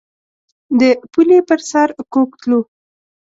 د پولې پر سر کوږ تلو.